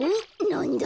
なんだ？